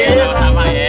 selamat malam tandang